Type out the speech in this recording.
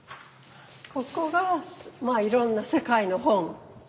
ここがいろんな世界の本。